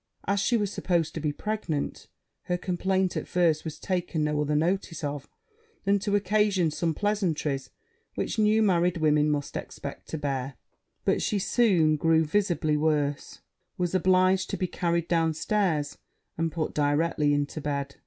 As she was supposed to be pregnant, her complaint at first was taken no other notice of than to occasion some pleasantries which new married women must expect to bear: but she soon grew visibly worse was obliged to be carried down stairs, and put directly into bed.